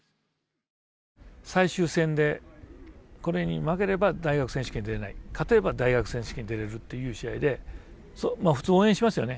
最終戦でこれに負ければ大学選手権に出れない勝てれば大学選手権に出れるっていう試合で普通応援しますよね